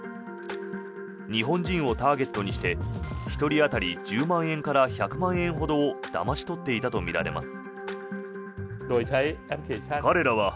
日本人をターゲットにして１人当たり１０万円から１００万円ほどをだまし取っていたとみられます。